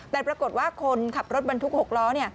แต่ปรากฏว่าคนขับรถบรรทุก๖ล้อ